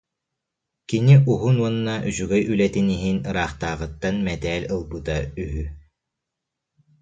Кини уһун уонна үчүгэй үлэтин иһин ыраахтааҕыттан мэтээл ылбыта үһү